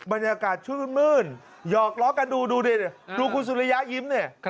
บรรยากาศชื่นมื้นหยอกล้อกันดูดูดิดูคุณสุริยะยิ้มเนี่ย